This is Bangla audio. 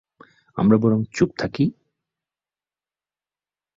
আমরা বরং চুপ থাকি।